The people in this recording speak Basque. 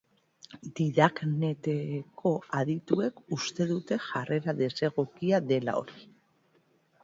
Didakneteko adituek uste dute jarrera desegokia dela hori.